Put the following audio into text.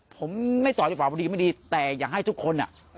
ผมไม่ตอบดีกว่าว่ามันดีแต่อย่างให้ทุกคน